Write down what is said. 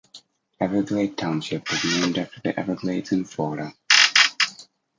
Everglade Township was named after the Everglades in Florida.